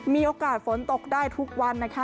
มีโอกาสฝนตกได้ทุกวันนะคะ